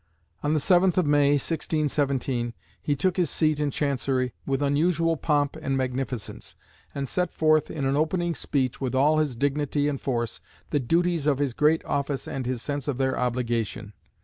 On the 7th of May, 1617, he took his seat in Chancery with unusual pomp and magnificence, and set forth, in an opening speech, with all his dignity and force, the duties of his great office and his sense of their obligation.